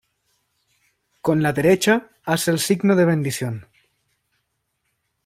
Con la derecha, hace el signo de bendición.